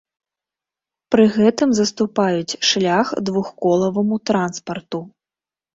Пры гэтым заступаюць шлях двухколаваму транспарту.